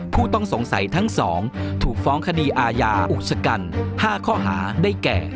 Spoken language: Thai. ผู้ต้องสงสัยทั้ง๒ถูกฟ้องคดีอาญาอุกชกัน๕ข้อหาได้แก่